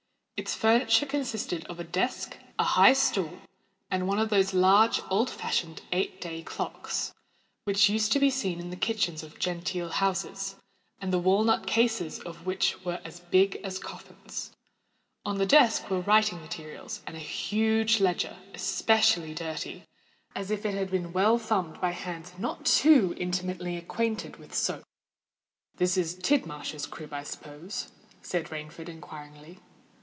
Its furniture consisted of a desk, a high stool, and one of those large, old fashioned eight day clocks, which used to be seen in the kitchens of genteel houses, and the wall nut cases of which were as big as coffins. On the desk were writing materials, and a huge ledger, especially dirty, as if it had been well thumbed by hands not too intimately acquainted with soap. "This is Tidmarsh's crib, I suppose?" said Rainford inquiringly.